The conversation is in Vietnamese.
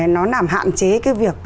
nó nằm hạn chế cái việc